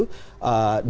dalam bulan berikutnya